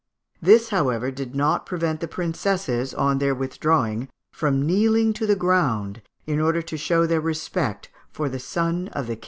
This, however, did not prevent the princesses, on their withdrawing, from kneeling to the ground in order to show their respect for the son of the King of France.